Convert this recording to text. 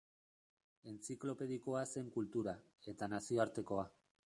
Entziklopedikoa zen kultura, eta nazioartekoa.